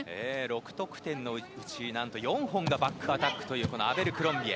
６得点のうち、何と４本がバックアタックというアベルクロンビエ。